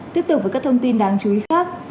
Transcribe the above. tiếp tục với các thông tin đáng chú ý khác